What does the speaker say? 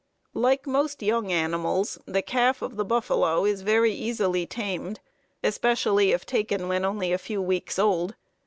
Like most young animals, the calf of the buffalo is very easily tamed, especially if taken when only a few weeks old.